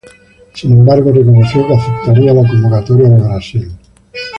Sin embargo, reconoció que aceptaría la convocatoria de Brasil.